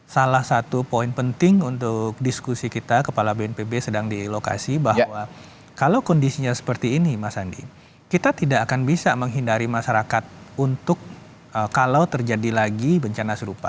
salah satu poin penting untuk diskusi kita kepala bnpb sedang di lokasi bahwa kalau kondisinya seperti ini mas andi kita tidak akan bisa menghindari masyarakat untuk kalau terjadi lagi bencana serupa